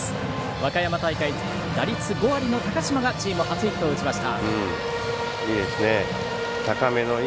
和歌山大会打率５割の高嶋がチーム初ヒットを打ちました。